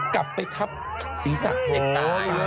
กลับไปทับศีรษะเด็กตาย